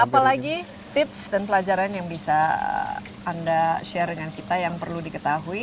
jadi apalagi tips dan pelajaran yang bisa anda share dengan kita yang perlu diketahui